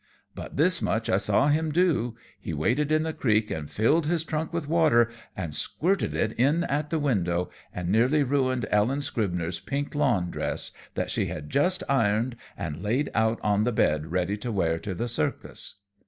But this much I saw him do; he waded in the creek an' filled his trunk with water, and squirted it in at the window and nearly ruined Ellen Scribner's pink lawn dress that she had just ironed an' laid out on the bed ready to wear to the circus."